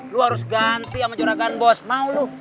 lo harus ganti sama juragan bos mau lo